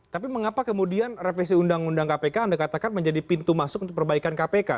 tapi mengapa kemudian revisi undang undang kpk anda katakan menjadi pintu masuk untuk perbaikan kpk